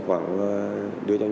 hãy egg nhóm